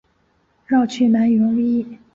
绕去买羽绒衣